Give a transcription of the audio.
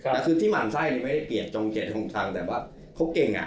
แต่คือที่หมั่นไส้ไม่ได้เปรียบจงเกลียด๖ทางแต่ว่าเขาเก่ง